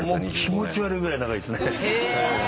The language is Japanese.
気持ち悪いぐらい仲いいっすね。